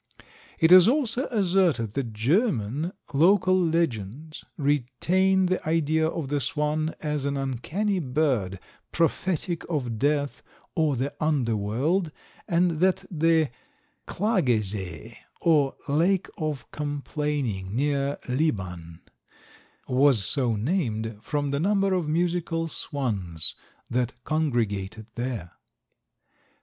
It is also asserted that German local legends retain the idea of the swan as an uncanny bird, prophetic of death or the under world, and that the Klagesee, or Lake of Complaining, near Liban, was so named from the numbers of musical swans that congregated there.